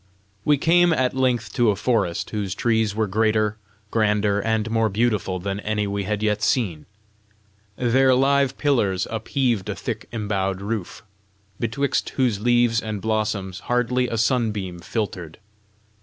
We came at length to a forest whose trees were greater, grander, and more beautiful than any we had yet seen. Their live pillars upheaved a thick embowed roof, betwixt whose leaves and blossoms hardly a sunbeam filtered.